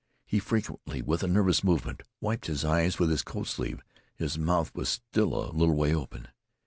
He frequently, with a nervous movement, wiped his eyes with his coat sleeve. His mouth was still a little ways open.